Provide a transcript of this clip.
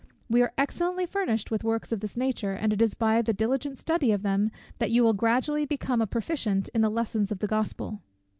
We are excellently furnished with works of this nature; and it is by the diligent study of them that you will gradually become a proficient in the lessons of the Gospel."